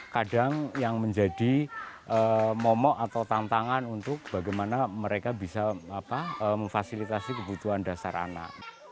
kadang yang menjadi momok atau tantangan untuk bagaimana mereka bisa memfasilitasi kebutuhan dasar anak